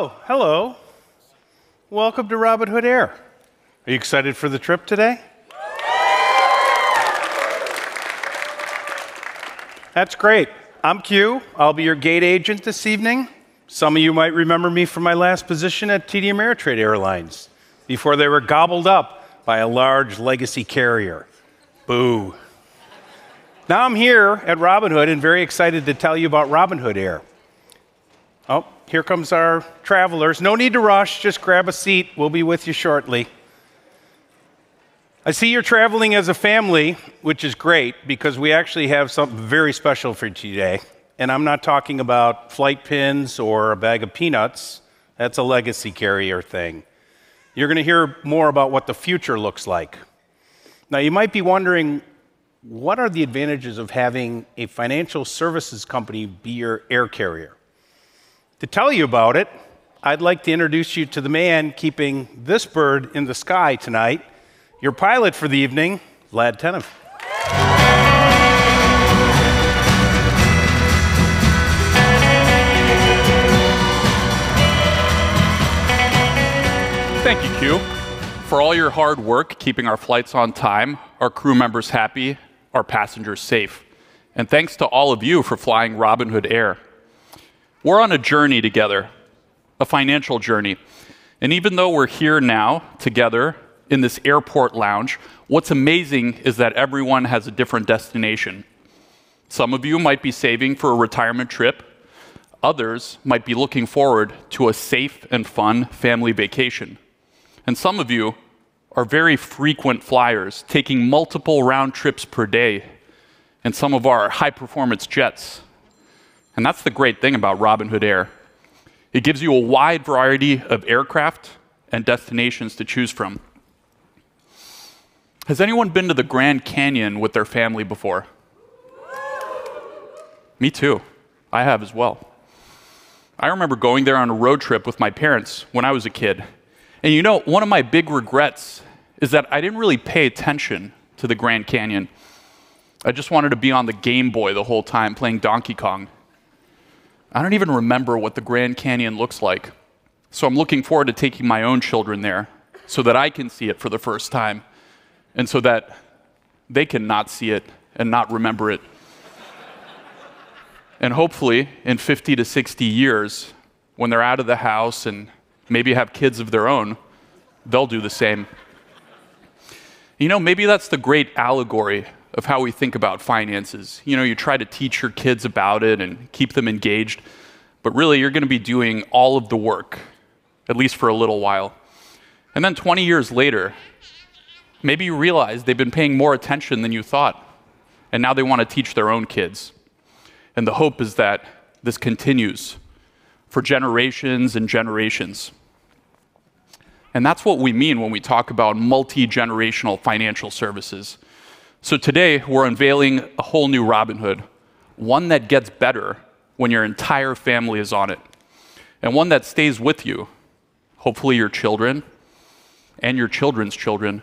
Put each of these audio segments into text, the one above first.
Oh, hello. Welcome to Robinhood Air. Are you excited for the trip today? That's great. I'm Q. I'll be your gate agent this evening. Some of you might remember me from my last position at TD Ameritrade Airlines before they were gobbled up by a large legacy carrier. Boo. Now I'm here at Robinhood and very excited to tell you about Robinhood Air. Oh, here comes our travelers. No need to rush. Just grab a seat. We'll be with you shortly. I see you're traveling as a family, which is great because we actually have something very special for you today, and I'm not talking about flight pins or a bag of peanuts. That's a legacy carrier thing. You're gonna hear more about what the future looks like. Now, you might be wondering, what are the advantages of having a financial services company be your air carrier? To tell you about it, I'd like to introduce you to the man keeping this bird in the sky tonight, your pilot for the evening, Vlad Tenev. Thank you, Q, for all your hard work keeping our flights on time, our crew members happy, our passengers safe. Thanks to all of you for flying Robinhood Air. We're on a journey together, a financial journey. Even though we're here now together in this airport lounge, what's amazing is that everyone has a different destination. Some of you might be saving for a retirement trip, others might be looking forward to a safe and fun family vacation. Some of you are very frequent flyers taking multiple round trips per day in some of our high-performance jets. That's the great thing about Robinhood Air. It gives you a wide variety of aircraft and destinations to choose from. Has anyone been to the Grand Canyon with their family before? Me too. I have as well. I remember going there on a road trip with my parents when I was a kid. You know, one of my big regrets is that I didn't really pay attention to the Grand Canyon. I just wanted to be on the Game Boy the whole time playing Donkey Kong. I don't even remember what the Grand Canyon looks like, so I'm looking forward to taking my own children there so that I can see it for the first time, and so that they can not see it and not remember it. Hopefully, in 50-60 years, when they're out of the house and maybe have kids of their own, they'll do the same. You know, maybe that's the great allegory of how we think about finances. You know, you try to teach your kids about it and keep them engaged, but really you're gonna be doing all of the work, at least for a little while. 20 years later, maybe you realize they've been paying more attention than you thought, and now they wanna teach their own kids. The hope is that this continues for generations and generations. That's what we mean when we talk about multi-generational financial services. Today, we're unveiling a whole new Robinhood, one that gets better when your entire family is on it, and one that stays with you, hopefully your children and your children's children,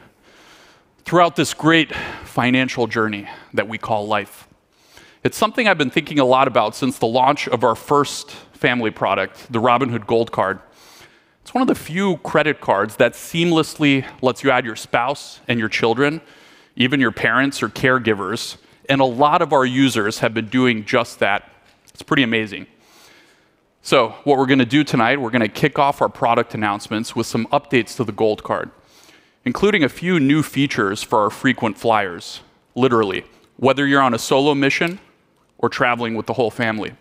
throughout this great financial journey that we call life. It's something I've been thinking a lot about since the launch of our first family product, the Robinhood Gold Card. It's one of the few credit cards that seamlessly lets you add your spouse and your children, even your parents or caregivers, and a lot of our users have been doing just that. It's pretty amazing. What we're gonna do tonight, we're gonna kick off our product announcements with some updates to the Gold Card, including a few new features for our frequent flyers, literally, whether you're on a solo mission or traveling with the whole family.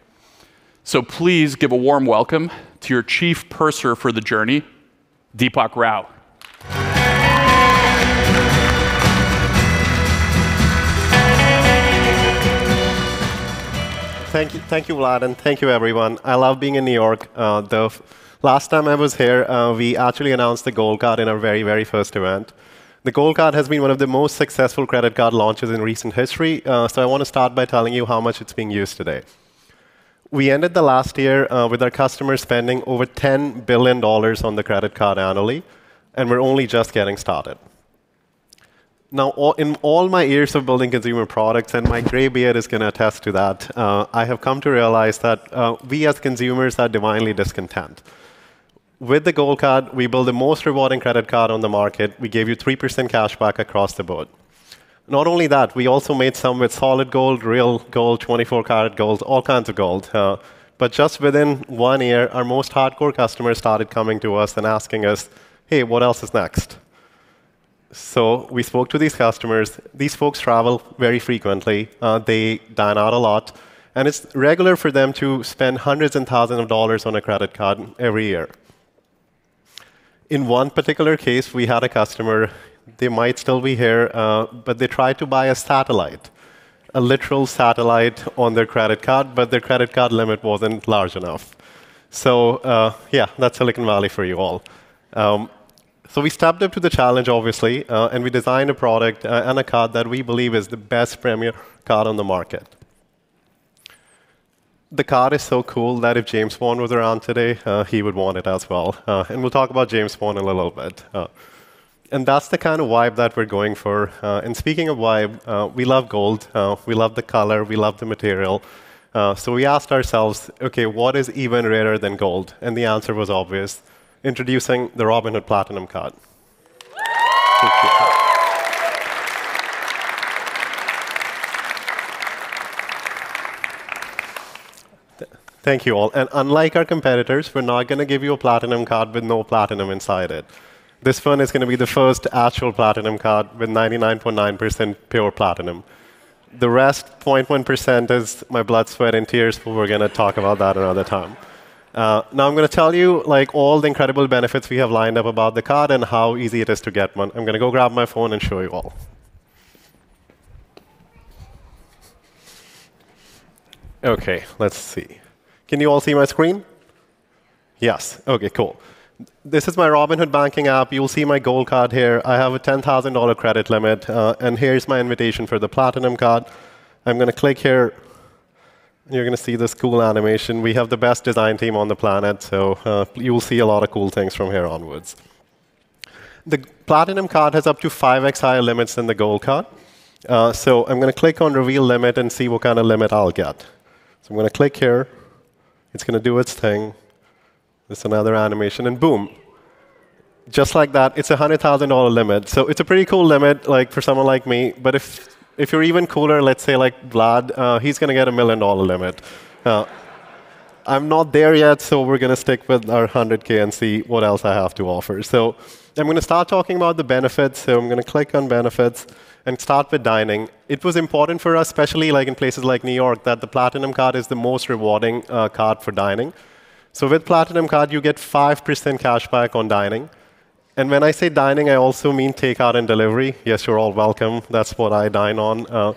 Please give a warm welcome to your chief purser for the journey, Deepak Rao. Thank you. Thank you, Vlad, and thank you, everyone. I love being in New York. The last time I was here, we actually announced the Gold Card in our very, very first event. The Gold Card has been one of the most successful credit card launches in recent history. I want to start by telling you how much it's being used today. We ended the last year with our customers spending over $10 billion on the credit card annually. We're only just getting started. In all my years of building consumer products, and my gray beard is gonna attest to that, I have come to realize that we as consumers are divinely discontent. With the Gold Card, we built the most rewarding credit card on the market. We gave you 3% cashback across the board. Not only that, we also made some with solid gold, real gold, 24 karat gold, all kinds of gold. Just within one year, our most hardcore customers started coming to us and asking us, "Hey, what else is next?" We spoke to these customers. These folks travel very frequently. They dine out a lot, it's regular for them to spend hundreds and thousands of dollars on a credit card every year. In one particular case, we had a customer, they might still be here, they tried to buy a satellite, a literal satellite on their credit card, their credit card limit wasn't large enough. Yeah, that's Silicon Valley for you all. We stepped up to the challenge obviously, we designed a product and a card that we believe is the best premier card on the market. The card is so cool that if James Bond was around today, he would want it as well. That's the kind of vibe that we're going for. Speaking of vibe, we love gold, we love the color, we love the material. We asked ourselves, "Okay, what is even rarer than gold?" The answer was obvious. Introducing the Robinhood Platinum Card. Thank you all. Unlike our competitors, we're not gonna give you a Platinum Card with no platinum inside it. This one is gonna be the first actual Platinum Card with 99.9% pure platinum. The rest 0.1% is my blood, sweat, and tears. We're gonna talk about that another time. Now I'm gonna tell you like all the incredible benefits we have lined up about the card and how easy it is to get one. I'm gonna go grab my phone and show you all. Okay, let's see. Can you all see my screen? Yes. Okay, cool. This is my Robinhood banking app. You'll see my Gold Card here. I have a $10,000 credit limit. Here is my invitation for the Platinum Card. I'm gonna click here. You're gonna see this cool animation. We have the best design team on the planet. You'll see a lot of cool things from here onwards. The Platinum Card has up to 5x higher limits than the Gold Card. I'm gonna click on Reveal Limit and see what kind of limit I'll get. I'm gonna click here. It's gonna do its thing. There's another animation, and boom. Just like that, it's a $100,000 limit. It's a pretty cool limit like for someone like me. If you're even cooler, let's say like Vlad, he's gonna get a $1 million limit. I'm not there yet, we're gonna stick with our $100K and see what else I have to offer. I'm gonna start talking about the Benefits. I'm gonna click on Benefits and start with dining. It was important for us, especially like in places like New York, that the Platinum Card is the most rewarding card for dining. With Platinum Card, you get 5% cashback on dining. When I say dining, I also mean takeout and delivery. Yes, you're all welcome. That's what I dine on.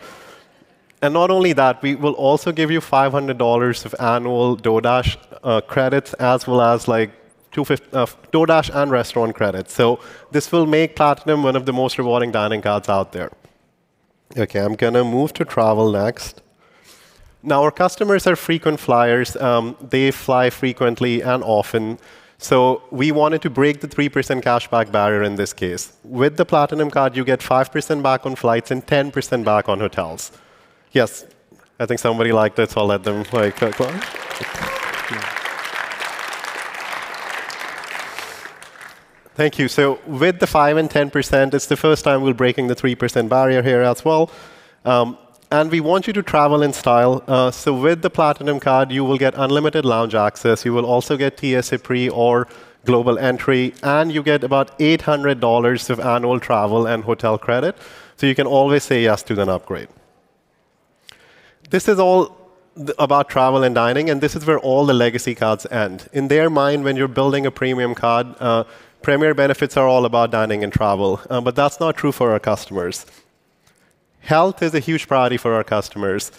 Not only that, we will also give you $500 of annual DoorDash credits as well as like DoorDash and restaurant credits. This will make Platinum one of the most rewarding dining cards out there. Okay, I'm gonna move to travel next. Now, our customers are frequent flyers. They fly frequently and often. We wanted to break the 3% cashback barrier in this case. With the Platinum Card, you get 5% back on flights and 10% back on hotels. Yes. I think somebody liked it, so I'll let them like clap. Thank you. With the 5% and 10%, it's the first time we're breaking the 3% barrier here as well. We want you to travel in style. With the Platinum Card, you will get unlimited lounge access. You will also get TSA Pre or Global Entry, you get about $800 of annual travel and hotel credit, so you can always say yes to an upgrade. This is all about travel and dining, this is where all the legacy cards end. In their mind, when you're building a premium card, premier benefits are all about dining and travel, that's not true for our customers. Health is a huge priority for our customers.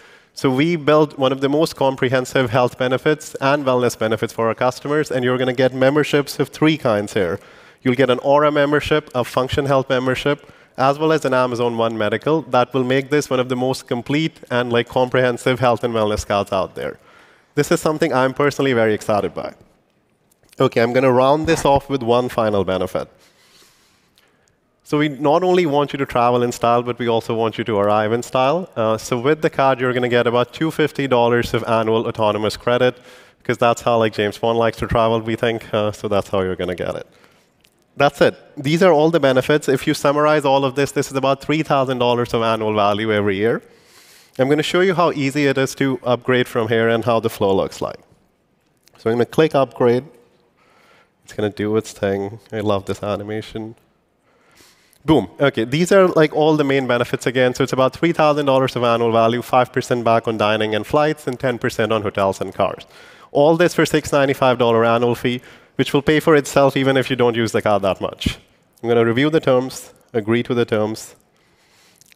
We built one of the most comprehensive health benefits and wellness benefits for our customers, you're gonna get memberships of three kinds here. You'll get an Oura Membership, a Function Health Membership, as well as an Amazon One Medical. That will make this one of the most complete and like comprehensive health and wellness cards out there. This is something I'm personally very excited by. Okay, I'm gonna round this off with one final benefit. We not only want you to travel in style, but we also want you to arrive in style. With the card, you're gonna get about $250 of annual autonomous credit, 'cause that's how like James Bond likes to travel, we think, that's how you're gonna get it. That's it. These are all the benefits. If you summarize all of this is about $3,000 of annual value every year. I'm gonna show you how easy it is to upgrade from here and how the flow looks like. I'm gonna click Upgrade. It's gonna do its thing. I love this animation. Boom. Okay. These are like all the main benefits again. It's about $3,000 of annual value, 5% back on dining and flights, and 10% on hotels and cars. All this for $695 annual fee, which will pay for itself even if you don't use the card that much. I'm gonna review the terms, agree to the terms.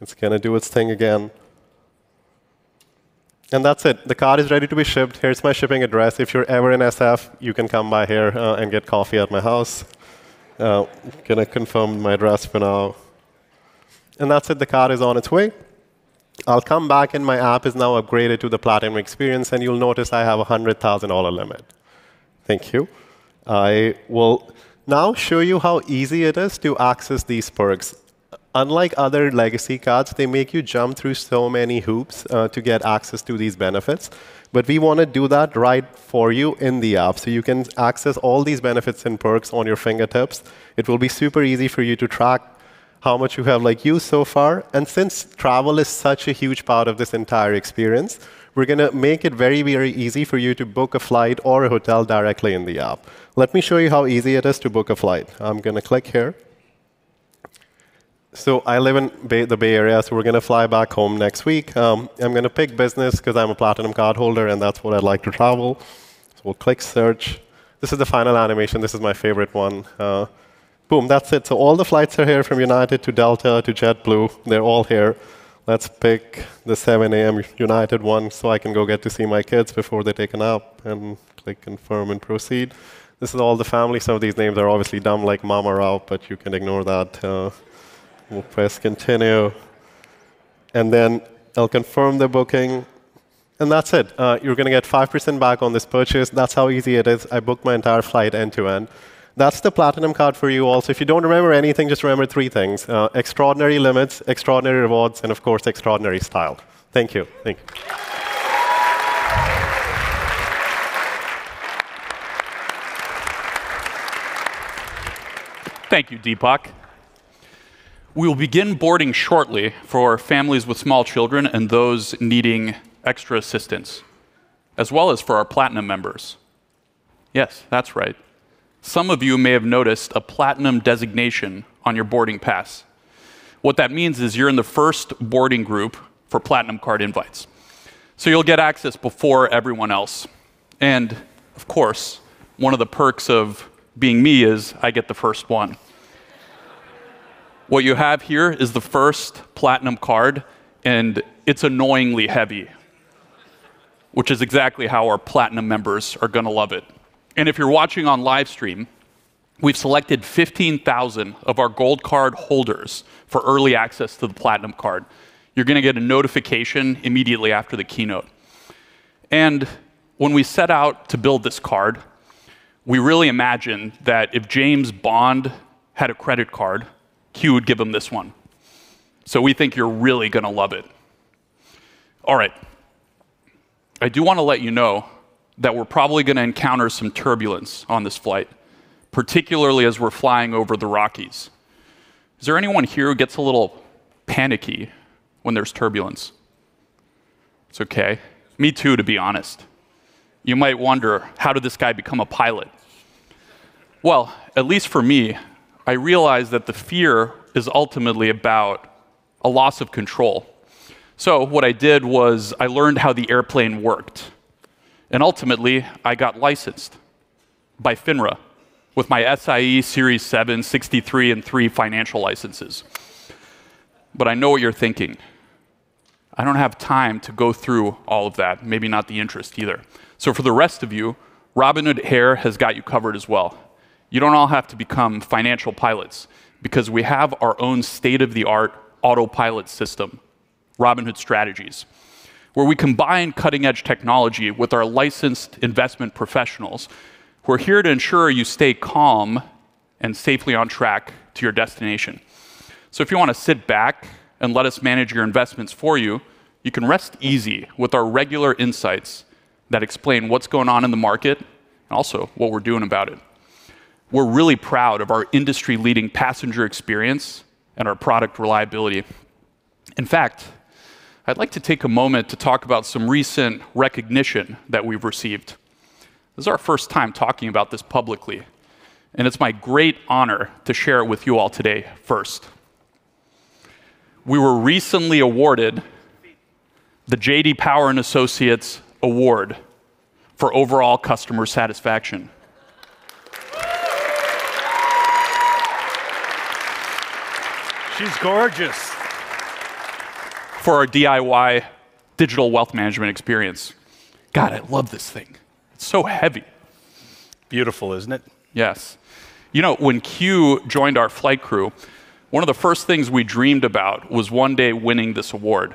It's gonna do its thing again. That's it. The card is ready to be shipped. Here's my shipping address. If you're ever in SF, you can come by here and get coffee at my house. Gonna confirm my address for now. That's it. The card is on its way. I'll come back, and my app is now upgraded to the Platinum experience, and you'll notice I have a $100,000 limit. Thank you. I will now show you how easy it is to access these perks. Unlike other legacy cards, they make you jump through so many hoops to get access to these benefits. We wanna do that right for you in the app, so you can access all these benefits and perks on your fingertips. It will be super easy for you to track how much you have like used so far. Since travel is such a huge part of this entire experience, we're gonna make it very, very easy for you to book a flight or a hotel directly in the app. Let me show you how easy it is to book a flight. I'm gonna click here. I live in the Bay Area, so we're gonna fly back home next week. I'm gonna pick business 'cause I'm a Platinum Card holder, and that's what I like to travel. We'll click Search. This is the final animation. This is my favorite one. Boom, that's it. All the flights are here from United to Delta to JetBlue. They're all here. Let's pick the 7:00 A.M. United one, so I can go get to see my kids before they're taken up and click Confirm and Proceed. This is all the family. Some of these names are obviously dumb like Mom are out, but you can ignore that. We'll press Continue and then I'll confirm the booking, and that's it. You're gonna get 5% back on this purchase. That's how easy it is. I booked my entire flight end to end. That's the Platinum Card for you all. If you don't remember anything, just remember three things, extraordinary limits, extraordinary rewards, and of course, extraordinary style. Thank you. Thank you. Thank you, Deepak. We will begin boarding shortly for families with small children and those needing extra assistance, as well as for Platinum members. yes, that's right. Some of you may have noticed a platinum designation on your boarding pass. What that means is you're in the first boarding group for Platinum Card invites. You'll get access before everyone else. Of course, one of the perks of being me is I get the first one. What you have here is the first Platinum Card, and it's annoyingly heavy, which is exactly how Platinum members are gonna love it. If you're watching on live stream, we've selected 15,000 of our Gold Card holders for early access to the Platinum Card. You're gonna get a notification immediately after the keynote. When we set out to build this card, we really imagined that if James Bond had a credit card, Q would give him this one. We think you're really gonna love it. All right. I do wanna let you know that we're probably gonna encounter some turbulence on this flight, particularly as we're flying over the Rockies. Is there anyone here who gets a little panicky when there's turbulence? It's okay. Me too, to be honest. You might wonder, how did this guy become a pilot? At least for me, I realized that the fear is ultimately about a loss of control. What I did was I learned how the airplane worked, and ultimately, I got licensed by FINRA with my SIE Series 7, 63, and three financial licenses. I know what you're thinking. I don't have time to go through all of that, maybe not the interest either. For the rest of you, Robinhood Air has got you covered as well. You don't all have to become financial pilots because we have our own state-of-the-art autopilot system, Robinhood Strategies, where we combine cutting-edge technology with our licensed investment professionals. We're here to ensure you stay calm and safely on track to your destination. If you wanna sit back and let us manage your investments for you can rest easy with our regular insights that explain what's going on in the market, and also what we're doing about it. We're really proud of our industry-leading passenger experience and our product reliability. In fact, I'd like to take a moment to talk about some recent recognition that we've received. This is our first time talking about this publicly, and it's my great honor to share it with you all today first. We were recently awarded the J.D. Power and Associates Award for overall customer satisfaction. She's gorgeous. For our DIY digital wealth management experience. God, I love this thing. It's so heavy. Beautiful, isn't it? Yes. You know, when Q joined our flight crew, one of the first things we dreamed about was one day winning this award.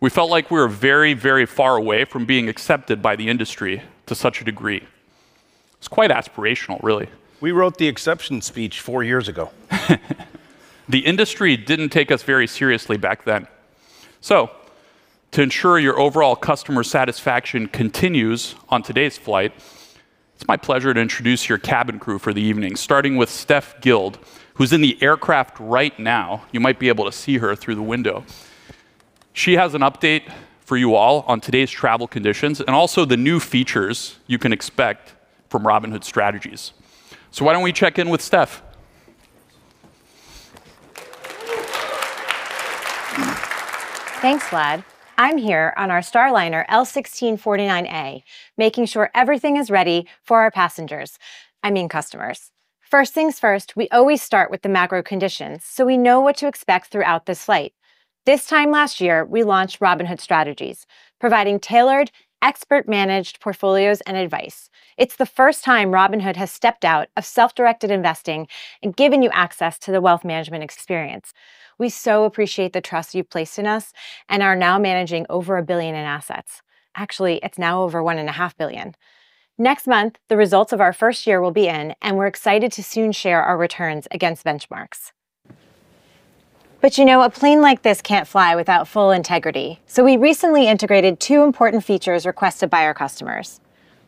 We felt like we were very, very far away from being accepted by the industry to such a degree. It's quite aspirational, really. We wrote the acceptance speech four years ago. The industry didn't take us very seriously back then. To ensure your overall customer satisfaction continues on today's flight, it's my pleasure to introduce your cabin crew for the evening, starting with Steph Guild, who's in the aircraft right now. You might be able to see her through the window. She has an update for you all on today's travel conditions and also the new features you can expect from Robinhood Strategies. Why don't we check in with Steph? Thanks, Vlad. I'm here on our Starliner L-1649A, making sure everything is ready for our passengers, I mean, customers. First things first, we always start with the macro conditions, we know what to expect throughout this flight. This time last year, we launched Robinhood Strategies, providing tailored expert-managed portfolios and advice. It's the first time Robinhood has stepped out of self-directed investing and given you access to the wealth management experience. We so appreciate the trust you've placed in us and are now managing over $1 billion in assets. Actually, it's now over $1.5 billion. Next month, the results of our first year will be in, we're excited to soon share our returns against benchmarks. You know, a plane like this can't fly without full integrity. We recently integrated two important features requested by our customers.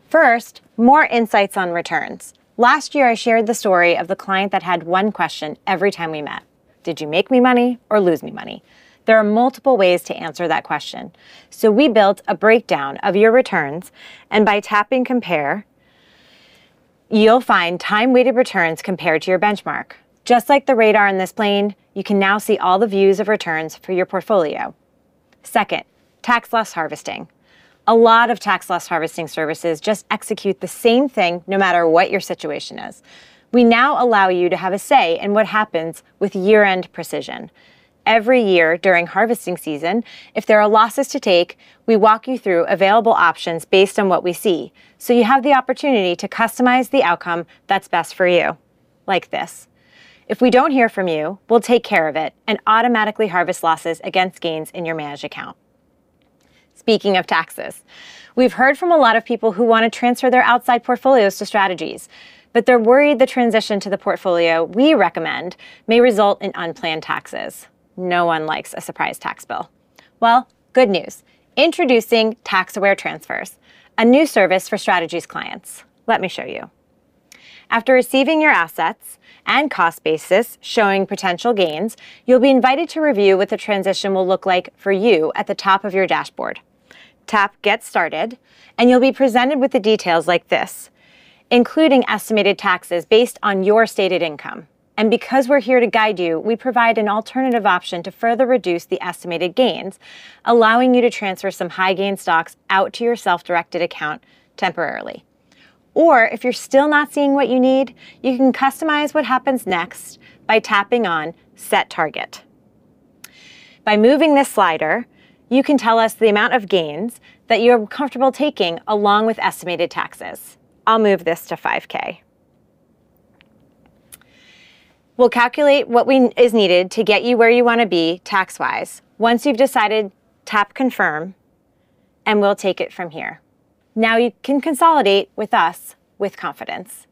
First, more insights on returns. Last year, I shared the story of the client that had one question every time we met. "Did you make me money or lose me money?" There are multiple ways to answer that question. We built a breakdown of your returns, and by tapping Compare, you'll find time-weighted returns compared to your benchmark. Just like the radar in this plane, you can now see all the views of returns for your portfolio. Second, tax-loss harvesting. A lot of tax-loss harvesting services just execute the same thing no matter what your situation is. We now allow you to have a say in what happens with year-end precision. Every year during harvesting season, if there are losses to take, we walk you through available options based on what we see, so you have the opportunity to customize the outcome that's best for you. Like this. If we don't hear from you, we'll take care of it and automatically harvest losses against gains in your managed account. Speaking of taxes, we've heard from a lot of people who wanna transfer their outside portfolios to Strategies. They're worried the transition to the portfolio we recommend may result in unplanned taxes. No one likes a surprise tax bill. Well, good news. Introducing tax-aware transfers, a new service for Strategies clients. Let me show you. After receiving your assets and cost basis showing potential gains, you'll be invited to review what the transition will look like for you at the top of your dashboard. Tap Get Started. You'll be presented with the details like this, including estimated taxes based on your stated income. Because we're here to guide you, we provide an alternative option to further reduce the estimated gains, allowing you to transfer some high gain stocks out to your self-directed account temporarily. If you're still not seeing what you need, you can customize what happens next by tapping on Set Target. By moving this slider, you can tell us the amount of gains that you're comfortable taking along with estimated taxes. I'll move this to $5K. We'll calculate what is needed to get you where you wanna be tax wise. Once you've decided, tap Confirm, and we'll take it from here. Now you can consolidate with us with confidence.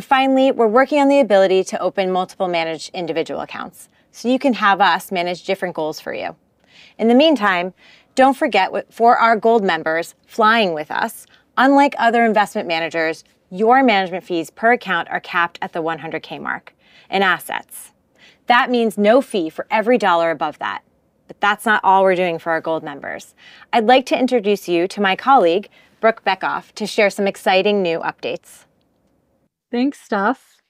Finally, we're working on the ability to open multiple managed individual accounts, so you can have us manage different goals for you. In the meantime, don't forget for Gold members flying with us, unlike other investment managers, your management fees per account are capped at the $100K mark in assets. That means no fee for every dollar above that. That's not all we're doing for Gold members. i'd like to introduce you to my colleague, Brooke Bekoff, to share some exciting new updates. Thanks, Steph.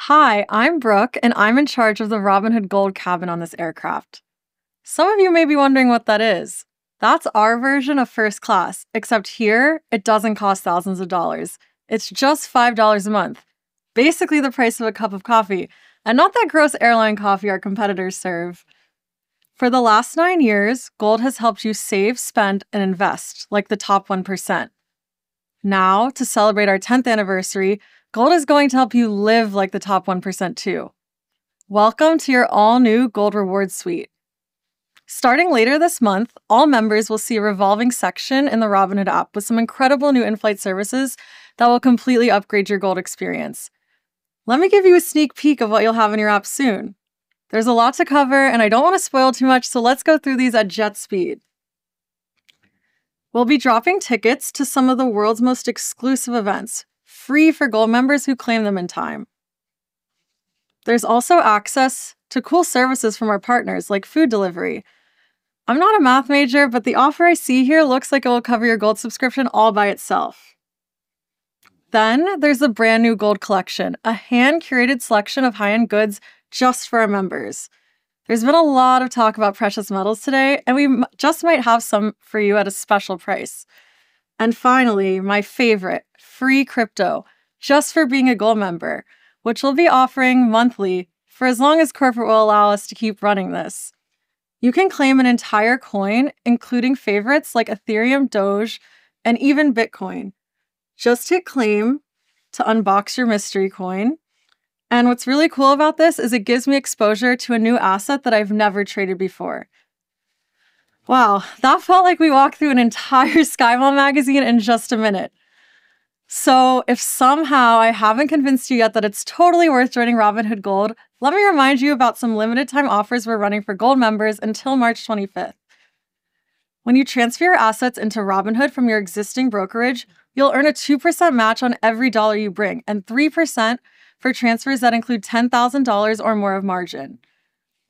Hi, I'm Brooke. I'm in charge of the Robinhood Gold cabin on this aircraft. Some of you may be wondering what that is. That's our version of first class, except here, it doesn't cost thousands of dollars. It's just $5 a month. Basically, the price of a cup of coffee, not that gross airline coffee our competitors serve. For the last nine years, Gold has helped you save, spend, and invest like the top 1%. Now, to celebrate our 10th anniversary, Gold is going to help you live like the top 1% too. Welcome to your all-new Gold Reward Suite. Starting later this month, all members will see a revolving section in the Robinhood app with some incredible new in-flight services that will completely upgrade your Gold experience. Let me give you a sneak peek of what you'll have in your app soon. There's a lot to cover, and I don't wanna spoil too much, so let's go through these at jet speed. We'll be dropping tickets to some of the world's most exclusive events, free Gold members who claim them in time. There's also access to cool services from our partners, like food delivery. I'm not a math major, but the offer I see here looks like it will cover your Gold subscription all by itself. There's the brand-new Gold Collection, a hand-curated selection of high-end goods just for our members. There's been a lot of talk about precious metals today, and we just might have some for you at a special price. Finally, my favorite, free crypto, just for being a Gold member, which we'll be offering monthly for as long as corporate will allow us to keep running this. You can claim an entire coin, including favorites like Ethereum, DOGE, and even Bitcoin. Just hit Claim to unbox your mystery coin. What's really cool about this is it gives me exposure to a new asset that I've never traded before. Wow, that felt like we walked through an entire SkyMall magazine in just a minute. If somehow I haven't convinced you yet that it's totally worth joining Robinhood Gold, let me remind you about some limited time offers we're running Gold members until March 25th. When you transfer your assets into Robinhood from your existing brokerage, you'll earn a 2% match on every dollar you bring, and 3% for transfers that include $10,000 or more of margin.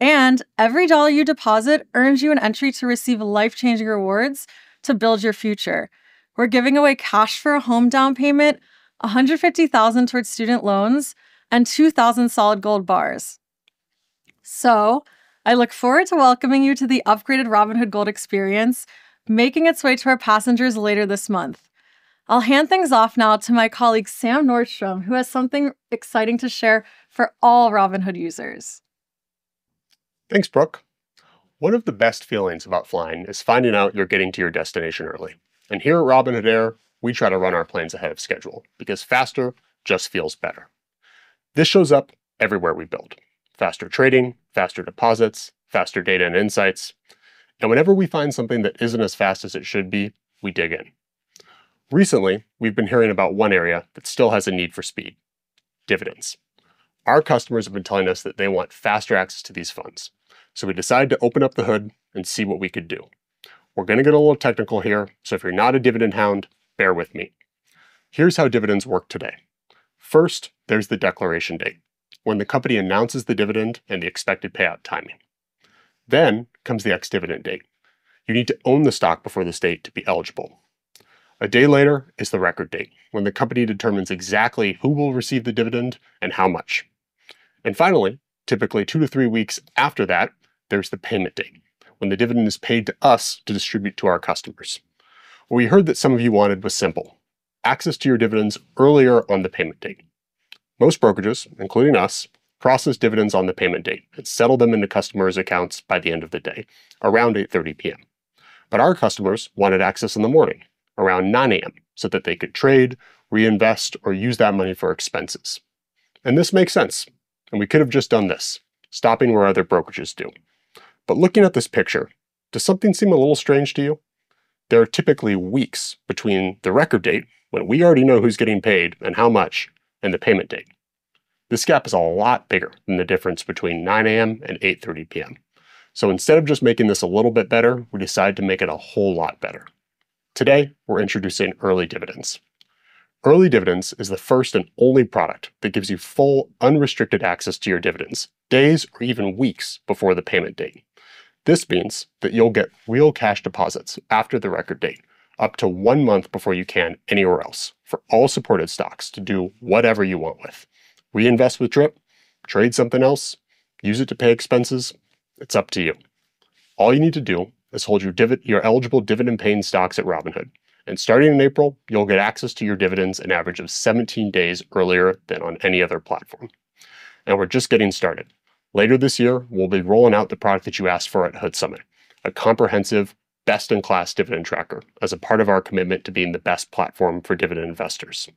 Every dollar you deposit earns you an entry to receive life-changing rewards to build your future. We're giving away cash for a home down payment, $150,000 towards student loans, and 2,000 solid gold bars. I look forward to welcoming you to the upgraded Robinhood Gold experience, making its way to our passengers later this month. I'll hand things off now to my colleague, Sam Nordstrom, who has something exciting to share for all Robinhood users. Thanks, Brooke. One of the best feelings about flying is finding out you're getting to your destination early. Here at Robinhood Air, we try to run our planes ahead of schedule because faster just feels better. This shows up everywhere we build. Faster trading, faster deposits, faster data and insights. Whenever we find something that isn't as fast as it should be, we dig in. Recently, we've been hearing about one area that still has a need for speed: dividends. Our customers have been telling us that they want faster access to these funds. We decided to open up the hood and see what we could do. We're gonna get a little technical here, so if you're not a dividend hound, bear with me. Here's how dividends work today. First, there's the declaration date when the company announces the dividend and the expected payout timing. Comes the ex-dividend date. You need to own the stock before this date to be eligible. A day later is the record date when the company determines exactly who will receive the dividend and how much. Finally, typically two to three weeks after that, there's the payment date when the dividend is paid to us to distribute to our customers. What we heard that some of you wanted was simple, access to your dividends earlier on the payment date. Most brokerages, including us, process dividends on the payment date and settle them into customers' accounts by the end of the day, around 8:30 P.M. Our customers wanted access in the morning, around 9:00 A.M., so that they could trade, reinvest, or use that money for expenses. This makes sense, and we could have just done this, stopping where other brokerages do. Looking at this picture, does something seem a little strange to you? There are typically weeks between the record date, when we already know who's getting paid and how much, and the payment date. This gap is a lot bigger than the difference between 9:00 A.M. and 8:30 P.M. Instead of just making this a little bit better, we decided to make it a whole lot better. Today, we're introducing Early Dividends. Early Dividends is the first and only product that gives you full, unrestricted access to your dividends days or even weeks before the payment date. This means that you'll get real cash deposits after the record date, up to one month before you can anywhere else, for all supported stocks to do whatever you want with. Reinvest with DRIP, trade something else, use it to pay expenses, it's up to you. All you need to do is hold your eligible dividend-paying stocks at Robinhood, starting in April, you'll get access to your dividends an average of 17 days earlier than on any other platform. We're just getting started. Later this year, we'll be rolling out the product that you asked for at HOOD Summit, a comprehensive, best-in-class dividend tracker as a part of our commitment to being the best platform for dividend investors.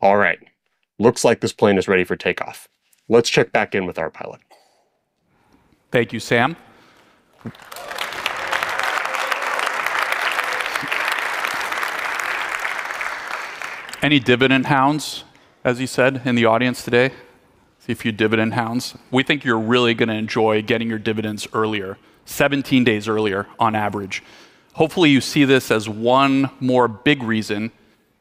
All right. Looks like this plane is ready for takeoff. Let's check back in with our pilot. Thank you, Sam. Any dividend hounds, as he said, in the audience today? See a few dividend hounds. We think you're really gonna enjoy getting your dividends earlier, 17 days earlier on average. Hopefully, you see this as one more big reason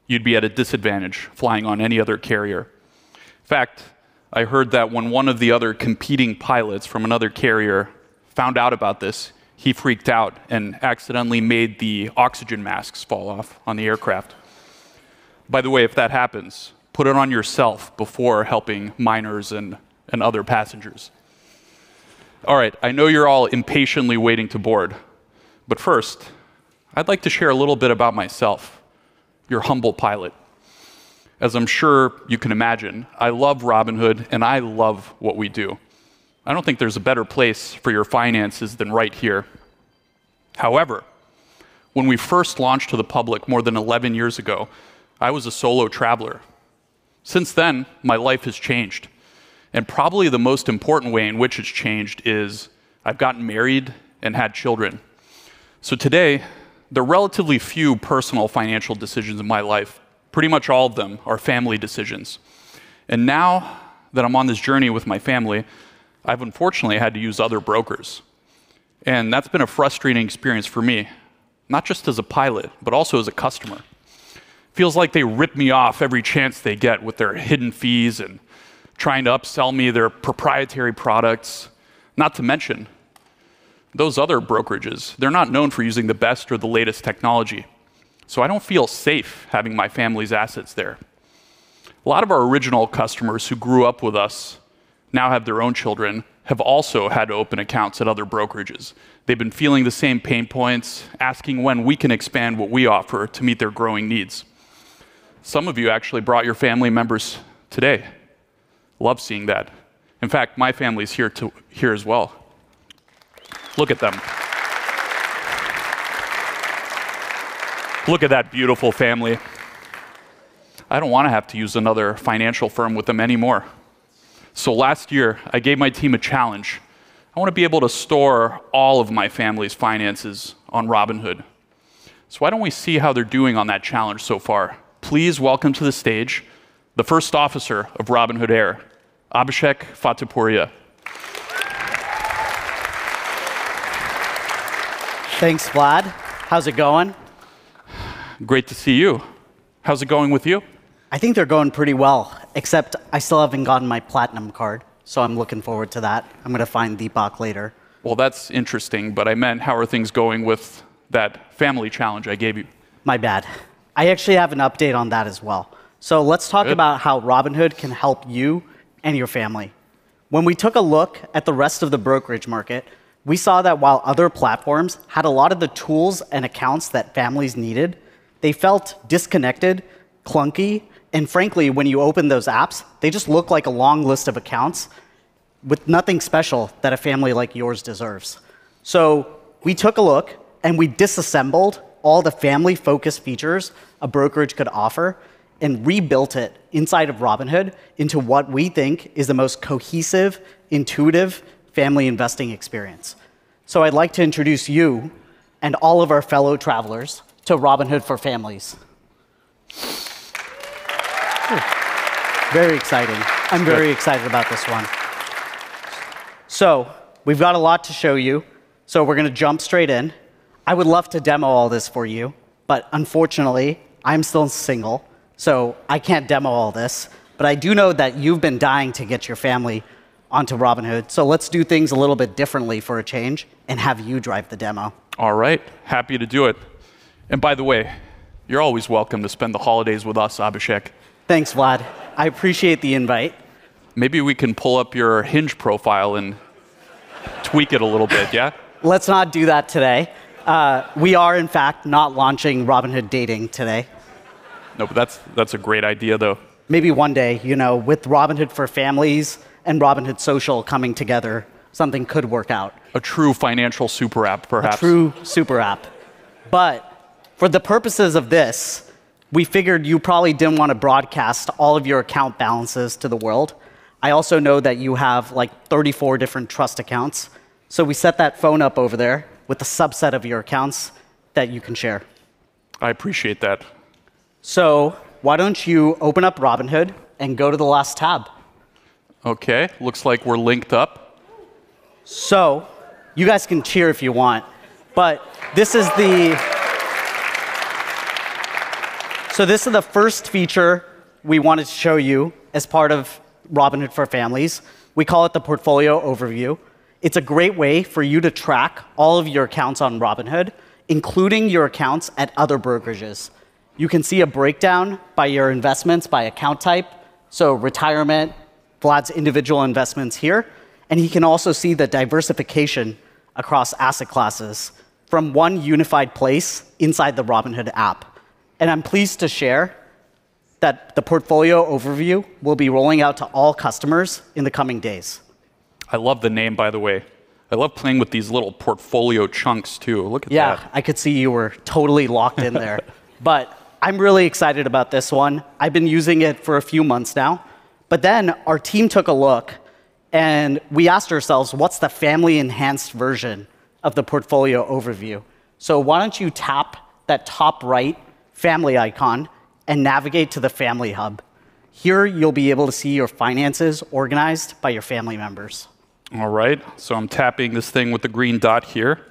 you'd be at a disadvantage flying on any other carrier. In fact, I heard that when one of the other competing pilots from another carrier found out about this, he freaked out and accidentally made the oxygen masks fall off on the aircraft. By the way, if that happens, put it on yourself before helping minors and other passengers. All right, I know you're all impatiently waiting to board, but first, I'd like to share a little bit about myself, your humble pilot. As I'm sure you can imagine, I love Robinhood, and I love what we do. I don't think there's a better place for your finances than right here. However, when we first launched to the public more than 11 years ago, I was a solo traveler. Since then, my life has changed, and probably the most important way in which it's changed is I've gotten married and had children. Today, the relatively few personal financial decisions in my life, pretty much all of them, are family decisions. Now that I'm on this journey with my family, I've unfortunately had to use other brokers, and that's been a frustrating experience for me, not just as a pilot, but also as a customer. Feels like they rip me off every chance they get with their hidden fees and trying to upsell me their proprietary products. Not to mention, those other brokerages, they're not known for using the best or the latest technology, so I don't feel safe having my family's assets there. A lot of our original customers who grew up with us now have their own children, have also had to open accounts at other brokerages. They've been feeling the same pain points, asking when we can expand what we offer to meet their growing needs. Some of you actually brought your family members today. Love seeing that. In fact, my family's here as well. Look at them. Look at that beautiful family. I don't wanna have to use another financial firm with them anymore. Last year, I gave my team a challenge. I wanna be able to store all of my family's finances on Robinhood. Why don't we see how they're doing on that challenge so far? Please welcome to the stage the First Officer of Robinhood Air, Abhishek Fatehpuria. Thanks, Vlad. How's it going? Great to see you. How's it going with you? I think they're going pretty well, except I still haven't gotten my Platinum Card, so I'm looking forward to that. I'm gonna find Deepak later. That's interesting, but I meant how are things going with that family challenge I gave you? My bad. I actually have an update on that as well. Good. Let's talk about how Robinhood can help you and your family. When we took a look at the rest of the brokerage market, we saw that while other platforms had a lot of the tools and accounts that families needed, they felt disconnected, clunky, and frankly, when you open those apps, they just look like a long list of accounts with nothing special that a family like yours deserves. We took a look, and we disassembled all the family-focused features a brokerage could offer and rebuilt it inside of Robinhood into what we think is the most cohesive, intuitive family investing experience. I'd like to introduce you and all of our fellow travelers to Robinhood for Families. Very exciting. Good. I'm very excited about this one. We've got a lot to show you, so we're gonna jump straight in. I would love to demo all this for you, but unfortunately, I'm still single, so I can't demo all this. I do know that you've been dying to get your family onto Robinhood, so let's do things a little bit differently for a change and have you drive the demo. All right. Happy to do it. By the way, you're always welcome to spend the holidays with us, Abhishek. Thanks, Vlad. I appreciate the invite. Maybe we can pull up your Hinge profile and tweak it a little bit, yeah? Let's not do that today. We are, in fact, not launching Robinhood Dating today. No, but that's a great idea though. Maybe one day, you know, with Robinhood for Families and Robinhood Social coming together, something could work out. A true financial super app perhaps. A true super app. For the purposes of this, we figured you probably didn't wanna broadcast all of your account balances to the world. I also know that you have, like, 34 different trust accounts, so we set that phone up over there with a subset of your accounts that you can share. I appreciate that. Why don't you open up Robinhood and go to the last tab? Okay, looks like we're linked up. You guys can cheer if you want, but this is the first feature we wanted to show you as part of Robinhood for Families. We call it the Portfolio Overview. It's a great way for you to track all of your accounts on Robinhood, including your accounts at other brokerages. You can see a breakdown by your investments by account type, so retirement, Vlad's individual investments here, and he can also see the diversification across asset classes from one unified place inside the Robinhood app. I'm pleased to share that the Portfolio Overview will be rolling out to all customers in the coming days. I love the name, by the way. I love playing with these little portfolio chunks too. Look at that. Yeah, I could see you were totally locked in there. I'm really excited about this one. I've been using it for a few months now, our team took a look, and we asked ourselves, "What's the family enhanced version of the Portfolio Overview?" Why don't you tap that top right family icon and navigate to the Family Hub. Here, you'll be able to see your finances organized by your family members. All right. I'm tapping this thing with the green dot here.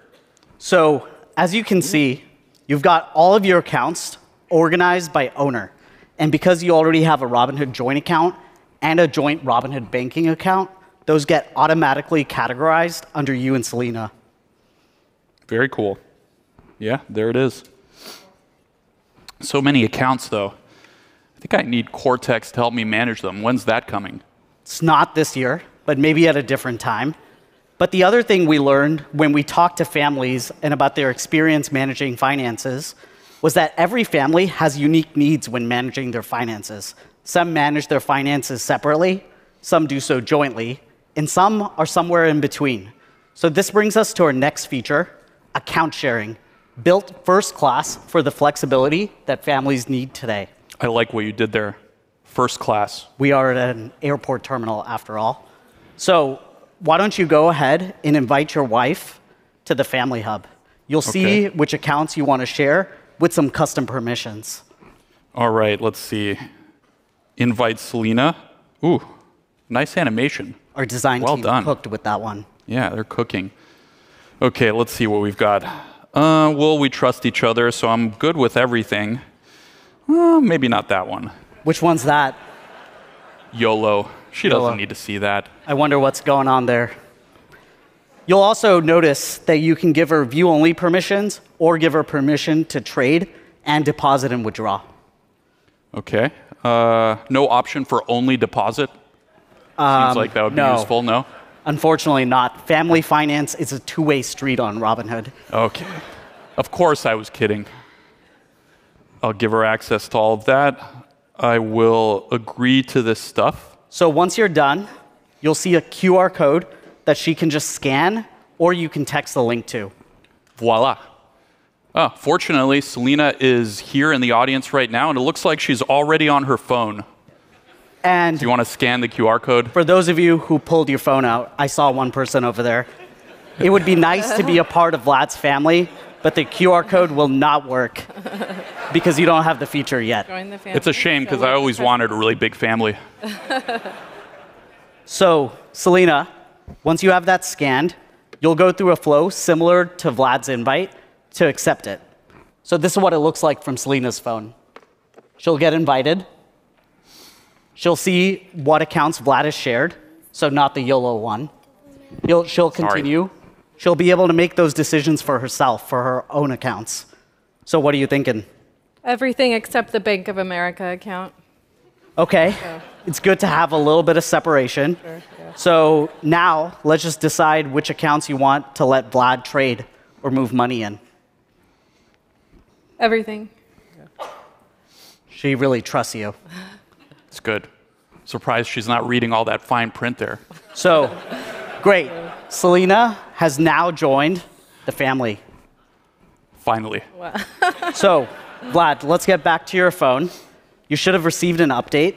As you can see, you've got all of your accounts organized by owner, and because you already have a Robinhood joint account and a joint Robinhood banking account, those get automatically categorized under you and Selena. Very cool. Yeah, there it is. Many accounts though. I think I need Cortex to help me manage them. When's that coming? It's not this year, but maybe at a different time. The other thing we learned when we talked to families and about their experience managing finances was that every family has unique needs when managing their finances. Some manage their finances separately, some do so jointly, and some are somewhere in between. This brings us to our next feature, account sharing, built first class for the flexibility that families need today. I like what you did there, first class. We are at an airport terminal after all. Why don't you go ahead and invite your wife to the Family Hub? Okay. You'll see which accounts you wanna share with some custom permissions. All right. Let's see. Invite Selena. Ooh, nice animation. Our design team- Well done. Cooked with that one. Yeah, they're cooking. Okay, let's see what we've got. Well, we trust each other, so I'm good with everything. Eh, maybe not that one. Which one's that? YOLO. YOLO. She doesn't need to see that. I wonder what's going on there. You'll also notice that you can give her view only permissions or give her permission to trade and deposit and withdraw. Okay. no option for only deposit? Um- Seems like that would be useful, no? No. Unfortunately not. Family finance is a two-way street on Robinhood. Okay. Of course I was kidding. I'll give her access to all of that. I will agree to this stuff. Once you're done, you'll see a QR code that she can just scan, or you can text the link to. Voila. fortunately Selena is here in the audience right now, and it looks like she's already on her phone. And- Do you wanna scan the QR code? For those of you who pulled your phone out, I saw one person over there. It would be nice to be a part of Vlad's family, but the QR code will not work because you don't have the feature yet. Join the family, Selena. It's a shame 'cause I always wanted a really big family. Selena, once you have that scanned, you'll go through a flow similar to Vlad's invite to accept it. This is what it looks like from Selena's phone. She'll get invited, she'll see what accounts Vlad has shared, not the YOLO one. She'll continue. Sorry. She'll be able to make those decisions for herself, for her own accounts. What are you thinking? Everything except the Bank of America account. Okay. So. It's good to have a little bit of separation. Sure. Yeah. Now let's just decide which accounts you want to let Vlad trade or move money in. Everything. She really trusts you. It's good. Surprised she's not reading all that fine print there. Great. Selena has now joined the family. Finally. Wow. Vlad, let's get back to your phone. You should have received an update.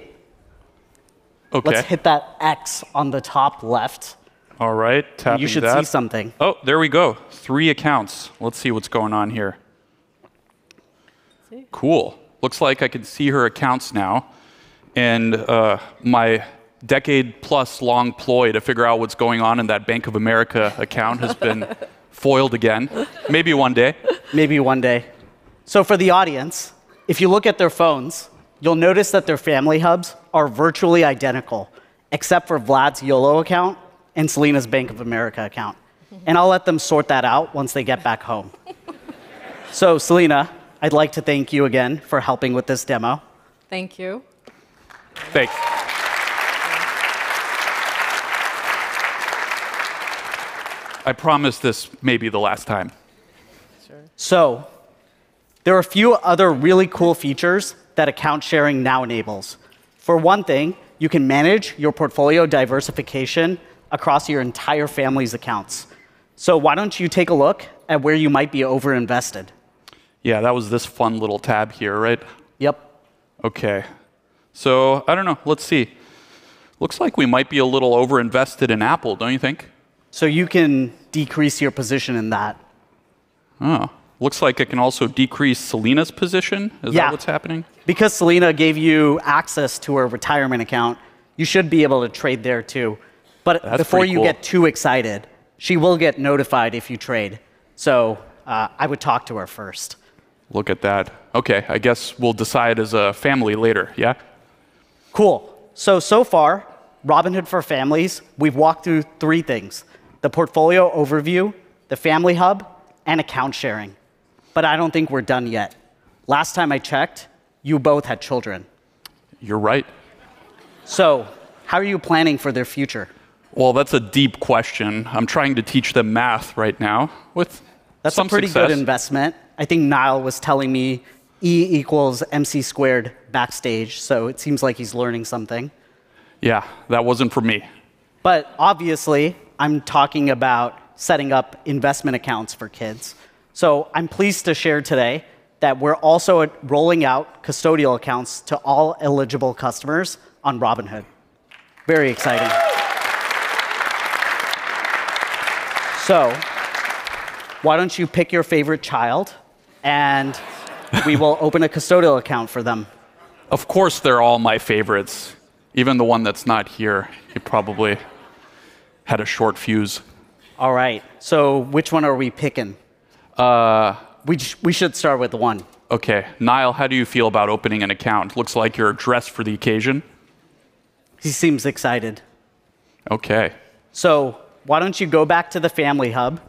Okay. Let's hit that X on the top left. All right. Tapping that. You should see something. Oh, there we go. Three accounts. Let's see what's going on here. See? Cool. Looks like I can see her accounts now, and my decade plus long ploy to figure out what's going on in that Bank of America account foiled again. Maybe one day. Maybe one day. For the audience, if you look at their phones, you'll notice that their Family Hubs are virtually identical except for Vlad's YOLO account and Selena's Bank of America account. I'll let them sort that out once they get back home. Selena, I'd like to thank you again for helping with this demo. Thank you. Thank you. I promise this may be the last time Sure. There are a few other really cool features that account sharing now enables. For one thing, you can manage your portfolio diversification across your entire family's accounts. Why don't you take a look at where you might be over-invested? Yeah, that was this fun little tab here, right? Yep. I don't know. Let's see. Looks like we might be a little over-invested in Apple, don't you think? You can decrease your position in that. Oh, looks like it can also decrease Selena's position... Yeah Is that what's happening? Selena gave you access to her retirement account, you should be able to trade there too. That's pretty cool. Before you get too excited, she will get notified if you trade. I would talk to her first. Look at that. Okay, I guess we'll decide as a family later, yeah? Cool. So far, Robinhood for Families, we've walked through three things, the Portfolio Overview, the Family Hub, and account sharing, but I don't think we're done yet. Last time I checked, you both had children. You're right. How are you planning for their future? Well, that's a deep question. I'm trying to teach them math right now, with some success. That's a pretty good investment. I think Nile was telling me E=mc2 backstage. It seems like he's learning something. Yeah, that wasn't from me. Obviously, I'm talking about setting up investment accounts for kids. I'm pleased to share today that we're also rolling out custodial accounts to all eligible customers on Robinhood. Very exciting. Why don't you pick your favorite child. We will open a custodial account for them. Of course, they're all my favorites, even the one that's not here. He probably had a short fuse. All right, so which one are we picking? Uh- We should start with one. Okay. Nile, how do you feel about opening an account? Looks like you're dressed for the occasion. He seems excited. Okay. Why don't you go back to the Family Hub,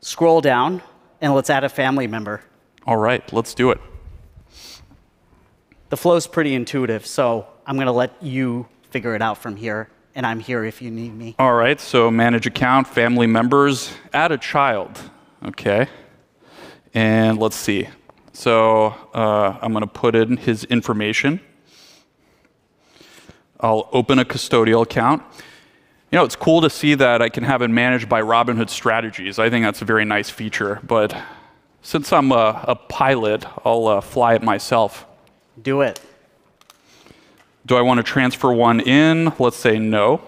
scroll down, and let's add a family member. All right, let's do it. The flow's pretty intuitive, so I'm gonna let you figure it out from here, and I'm here if you need me. All right, manage account, family members, add a child. Okay. Let's see, I'm gonna put in his information. I'll open a custodial account. You know, it's cool to see that I can have him managed by Robinhood Strategies. I think that's a very nice feature, since I'm a pilot, I'll fly it myself. Do it. Do I wanna transfer one in? Let's say no.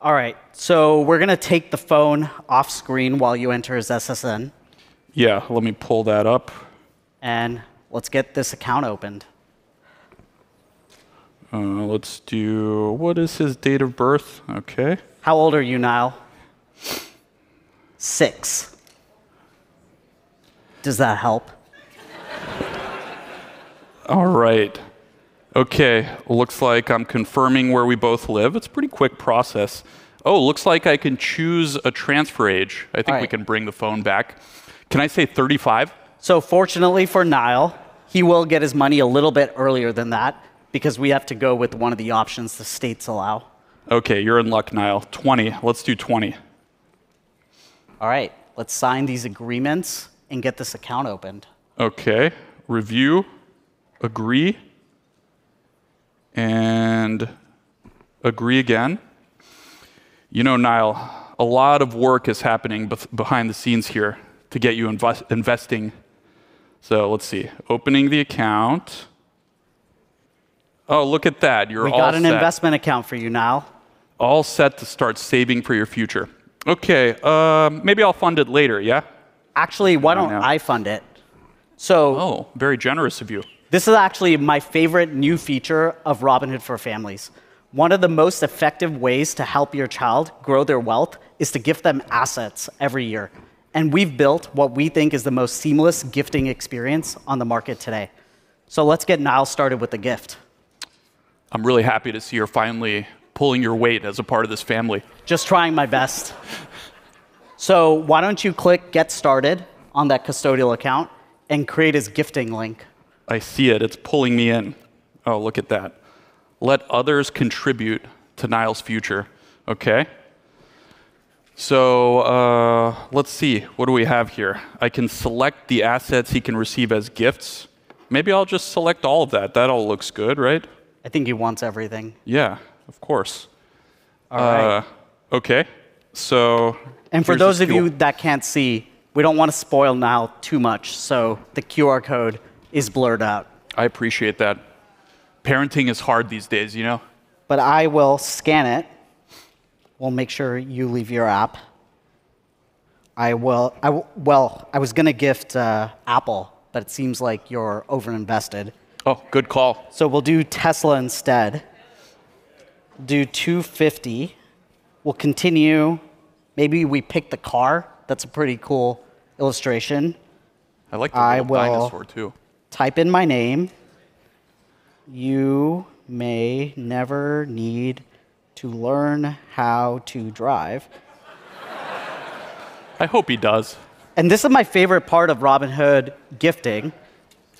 All right, we're gonna take the phone off screen while you enter his SSN. Yeah, let me pull that up. Let's get this account opened. What is his date of birth? Okay. How old are you, Nile? Six. Does that help? All right. Okay, looks like I'm confirming where we both live. It's a pretty quick process. Oh, looks like I can choose a transfer age. Right. I think we can bring the phone back. Can I say 35? Fortunately for Nile, he will get his money a little bit earlier than that because we have to go with one of the options the states allow. Okay, you're in luck, Nile. 20. Let's do 20. All right, let's sign these agreements and get this account opened. Okay. Review, agree, and agree again. You know, Nile, a lot of work is happening behind the scenes here to get you investing. Let's see. Opening the account. Oh, look at that. You're all set. We got an investment account for you, Nile. All set to start saving for your future. Okay, maybe I'll fund it later, yeah? Actually- I don't know. Why don't I fund it? Oh, very generous of you. This is actually my favorite new feature of Robinhood for Families. One of the most effective ways to help your child grow their wealth is to gift them assets every year, and we've built what we think is the most seamless gifting experience on the market today. Let's get Nile started with a gift. I'm really happy to see you're finally pulling your weight as a part of this family. Just trying my best. Why don't you click get started on that custodial account and create his gifting link. I see it. It's pulling me in. Oh, look at that. Let others contribute to Nile's future. Okay. Let's see. What do we have here? I can select the assets he can receive as gifts. Maybe I'll just select all of that. That all looks good, right? I think he wants everything. Yeah, of course. All right. Okay. here's this. For those of you that can't see, we don't wanna spoil Nile too much. The QR code is blurred out. I appreciate that. Parenting is hard these days, you know? I will scan it. We'll make sure you leave your app. I will, well, I was gonna gift Apple, but it seems like you're over-invested. Oh, good call. We'll do Tesla instead. Do 250. We'll continue. Maybe we pick the car. That's a pretty cool illustration. I like the little dinosaur too. I will type in my name. You may never need to learn how to drive. I hope he does. This is my favorite part of Robinhood Gifting.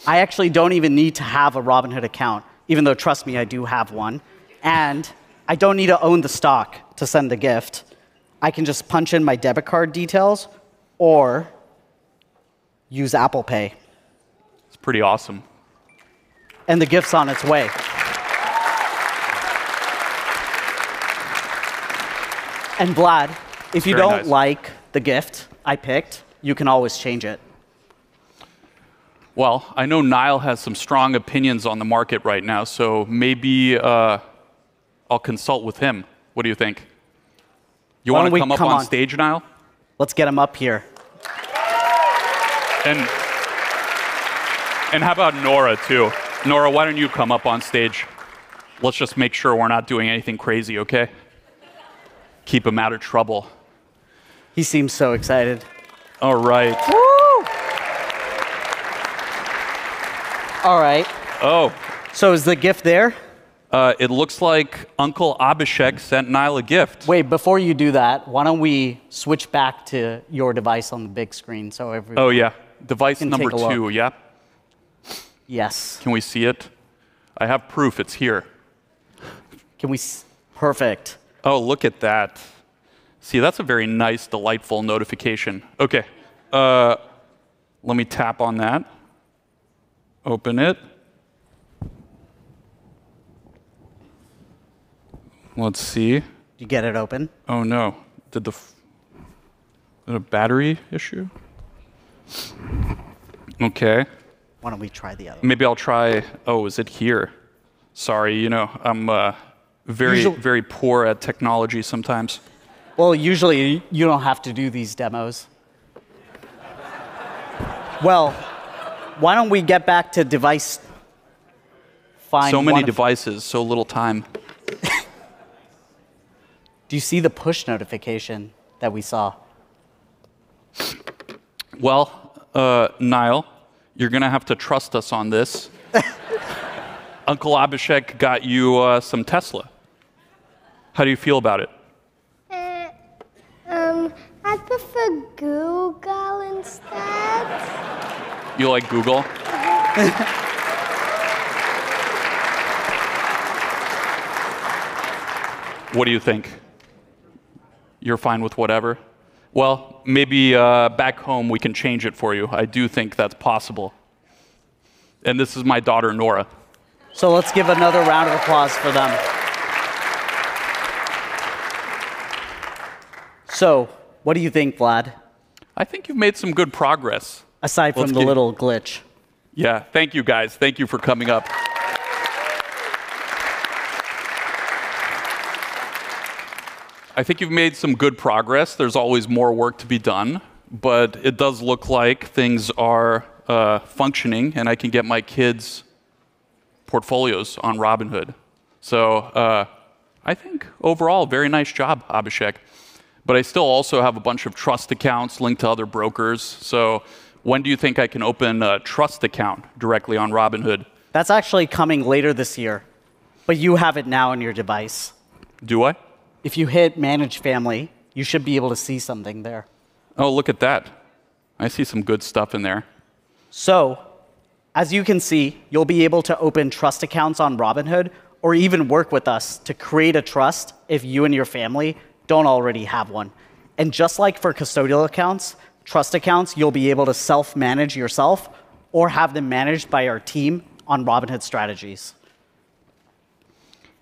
I actually don't even need to have a Robinhood account, even though trust me, I do have one. I don't need to own the stock to send the gift. I can just punch in my debit card details or use Apple Pay. It's pretty awesome. The gift's on its way. Vlad- It's very nice. If you don't like the gift I picked, you can always change it. I know Nile has some strong opinions on the market right now, so maybe I'll consult with him. What do you think? Why don't we come on- You wanna come up on stage, Nile? Let's get him up here. How about Nora too? Nora, why don't you come up on stage? Let's just make sure we're not doing anything crazy, okay? Keep him out of trouble. He seems so excited. All right. Woo. All right. Oh. Is the gift there? It looks like Uncle Abhishek sent Nile a gift. Wait, before you do that, why don't we switch back to your device on the big screen so everyone... Oh yeah! can take a look. Device number two. Yep. Yes. Can we see it? I have proof it's here. Perfect. Oh, look at that. See, that's a very nice, delightful notification. Okay. Let me tap on that. Open it. Let's see. Did you get it open? Oh, no. Is it a battery issue? Okay. Why don't we try the other one? Maybe I'll try... Oh, is it here? Sorry, you know, I'm very- Usually- Very poor at technology sometimes. Usually you don't have to do these demos. Why don't we get back to device Many devices, so little time. Do you see the push notification that we saw? Well, Nile, you're gonna have to trust us on this. Uncle Abhishek got you, some Tesla. How do you feel about it? I prefer Google instead. You like Google? Uh-huh. What do you think? You're fine with whatever? Well, maybe, back home we can change it for you. I do think that's possible. This is my daughter, Nora. Let's give another round of applause for them. What do you think, Vlad? I think you've made some good progress. Aside from the little glitch. Thank you guys. Thank you for coming up. I think you've made some good progress. There's always more work to be done, but it does look like things are functioning, and I can get my kids' portfolios on Robinhood. I think overall, very nice job, Abhishek. I still also have a bunch of trust accounts linked to other brokers. When do you think I can open a trust account directly on Robinhood? That's actually coming later this year, but you have it now on your device. Do I? If you hit Manage Family, you should be able to see something there. Oh, look at that. I see some good stuff in there. As you can see, you'll be able to open trust accounts on Robinhood or even work with us to create a trust if you and your family don't already have one. Just like for custodial accounts, trust accounts, you'll be able to self-manage yourself or have them managed by our team on Robinhood Strategies.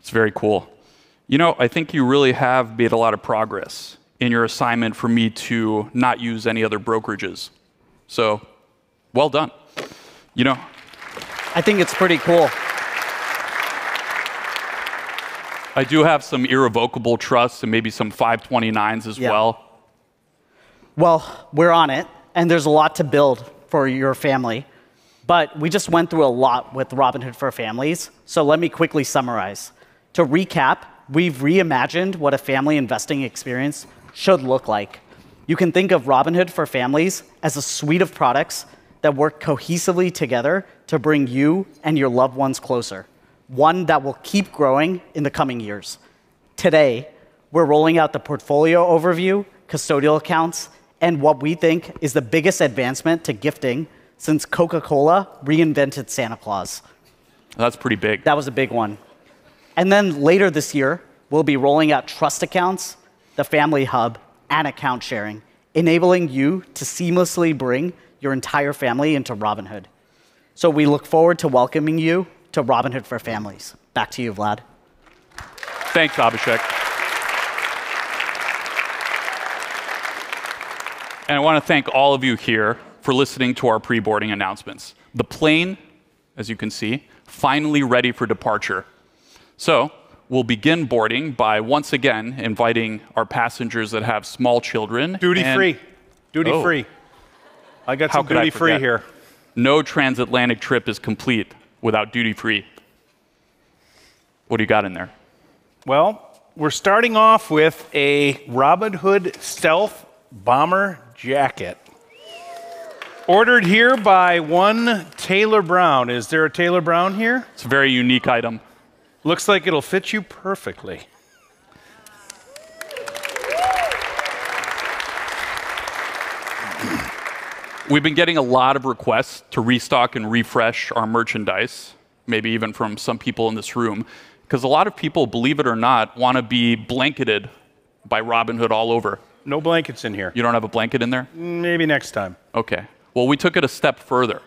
It's very cool. You know, I think you really have made a lot of progress in your assignment for me to not use any other brokerages. Well done. You know. I think it's pretty cool. I do have some irrevocable trusts and maybe some 529 plans as well. Yeah. Well, we're on it. There's a lot to build for your family, but we just went through a lot with Robinhood for Families. Let me quickly summarize. To recap, we've reimagined what a family investing experience should look like. You can think of Robinhood for Families as a suite of products that work cohesively together to bring you and your loved ones closer, one that will keep growing in the coming years. Today, we're rolling out the portfolio overview, custodial accounts, and what we think is the biggest advancement to gifting since Coca-Cola reinvented Santa Claus. That's pretty big. That was a big one. Later this year, we'll be rolling out trust accounts, the Family Hub, and account sharing, enabling you to seamlessly bring your entire family into Robinhood. We look forward to welcoming you to Robinhood for Families. Back to you, Vlad. Thanks, Abhishek. I wanna thank all of you here for listening to our pre-boarding announcements. The plane, as you can see, finally ready for departure, we'll begin boarding by once again inviting our passengers that have small children and-. Duty free. Duty free. Oh. I got some duty free here. How could I forget? No transatlantic trip is complete without duty free. What do you got in there? Well, we're starting off with a Robinhood Stealth Bomber Jacket. Ordered here by one Taylor Brown. Is there a Taylor Brown here? It's a very unique item. Looks like it'll fit you perfectly. We've been getting a lot of requests to restock and refresh our merchandise, maybe even from some people in this room, 'cause a lot of people, believe it or not, wanna be blanketed by Robinhood all over. No blankets in here. You don't have a blanket in there? Maybe next time. Okay. Well, we took it a step further.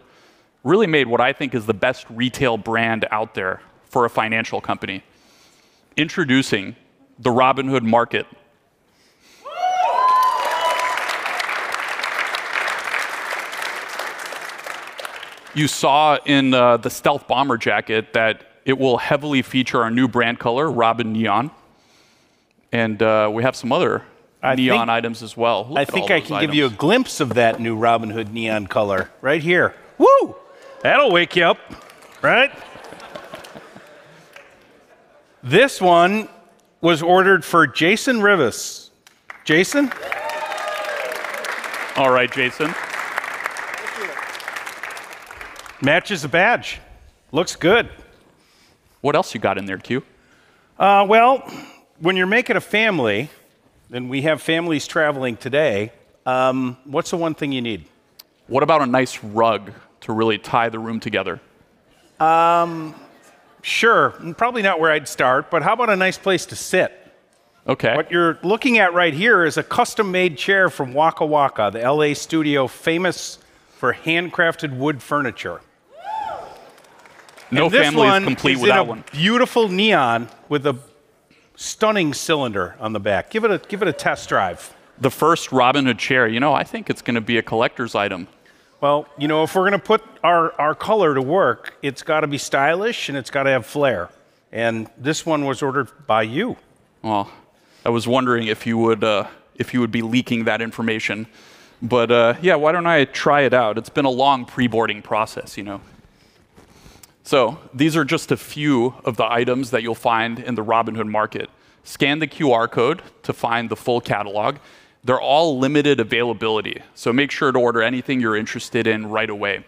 Really made what I think is the best retail brand out there for a financial company. Introducing the Robinhood Market. You saw in the Stealth Bomber Jacket that it will heavily feature our new brand color, Robin Neon. We have some other... I think- Neon items as well. Ooh, look at all those items. I think I can give you a glimpse of that new Robinhood neon color right here. Woo! That'll wake you up, right? This one was ordered for Jason Rivers. Jason? All right, Jason. Thank you. Matches the badge. Looks good. What else you got in there, Q? Well, when you're making a family, and we have families traveling today, what's the one thing you need? What about a nice rug to really tie the room together? Sure. Probably not where I'd start, but how about a nice place to sit? Okay. What you're looking at right here is a custom-made chair from Waka Waka, the L.A. studio famous for handcrafted wood furniture. No family is complete without one. This one comes in a beautiful neon with a stunning cylinder on the back. Give it a test drive. The first Robinhood chair. You know, I think it's gonna be a collector's item. You know, if we're gonna put our color to work, it's gotta be stylish and it's gotta have flair, and this one was ordered by you. I was wondering if you would be leaking that information. Yeah, why don't I try it out? It's been a long pre-boarding process, you know. These are just a few of the items that you'll find in the Robinhood Market. Scan the QR code to find the full catalog. They're all limited availability, make sure to order anything you're interested in right away.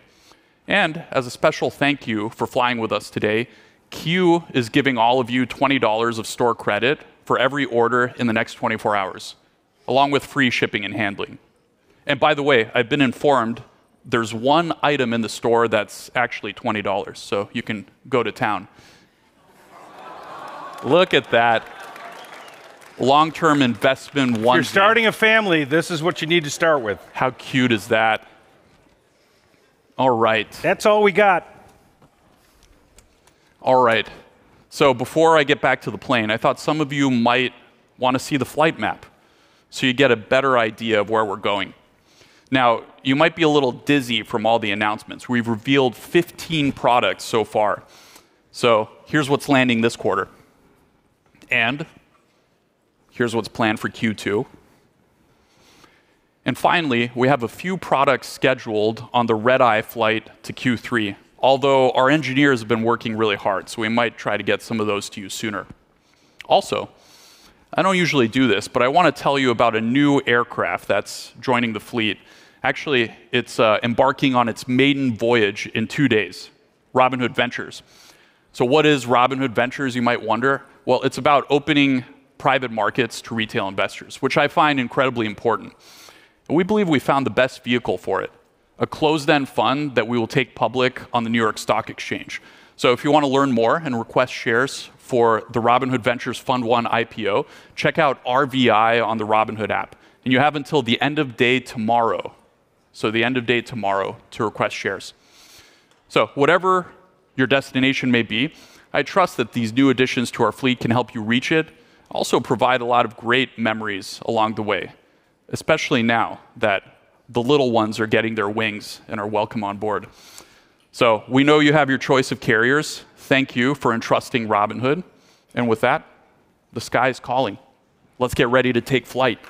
As a special thank you for flying with us today, Q is giving all of you $20 of store credit for every order in the next 24 hours, along with free shipping and handling. By the way, I've been informed there's one item in the store that's actually $20, you can go to town. Aw. Look at that. Long-term investment. If you're starting a family, this is what you need to start with. How cute is that? All right. That's all we got. All right. Before I get back to the plane, I thought some of you might wanna see the flight map so you get a better idea of where we're going. You might be a little dizzy from all the announcements. We've revealed 15 products so far. Here's what's landing this quarter, and here's what's planned for Q2, and finally, we have a few products scheduled on the red-eye flight to Q3. Although, our engineers have been working really hard, so we might try to get some of those to you sooner. Also, I don't usually do this, but I wanna tell you about a new aircraft that's joining the fleet. Actually, it's embarking on its maiden voyage in two days, Robinhood Ventures. What is Robinhood Ventures, you might wonder? Well, it's about opening private markets to retail investors, which I find incredibly important. We believe we found the best vehicle for it, a closed-end fund that we will take public on the New York Stock Exchange. If you wanna learn more and request shares for the Robinhood Ventures Fund One IPO, check out RVI on the Robinhood app. You have until the end of day tomorrow, so the end of day tomorrow to request shares. Whatever your destination may be, I trust that these new additions to our fleet can help you reach it. Also, provide a lot of great memories along the way, especially now that the little ones are getting their wings and are welcome on board. We know you have your choice of carriers. Thank you for entrusting Robinhood. With that, the sky's calling. Let's get ready to take flight.